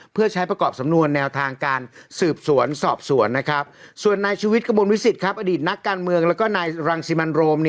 เพื่อใช้ประกอบสำนวนแนวทางการสืบสวนสอบสวนนะครับ